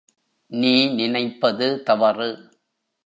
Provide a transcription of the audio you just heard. நீ நினைப்பது தவறு.